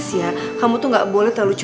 syah ingat ya